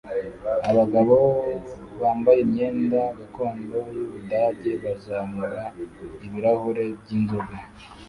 Abagabo bambaye imyenda gakondo yubudage bazamura ibirahure byinzoga